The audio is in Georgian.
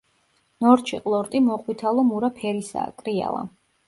ნორჩი ყლორტი მოყვითალო-მურა ფერისაა, კრიალა.